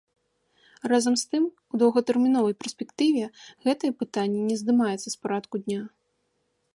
Разам з тым, у доўгатэрміновай перспектыве гэтае пытанне не здымаецца з парадку дня.